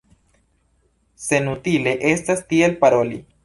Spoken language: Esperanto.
Senutile estas tiel paroli.